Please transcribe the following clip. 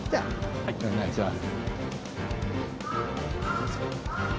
はいお願いします。